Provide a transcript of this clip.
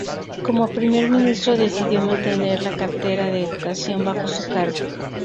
Como primer ministro decidió mantener la cartera de educación bajo su cargo.